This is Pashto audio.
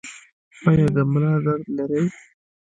ایا د ملا درد لرئ؟